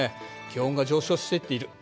気温が上昇していっている。